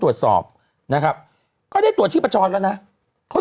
ดื่มน้ำก่อนสักนิดใช่ไหมคะคุณพี่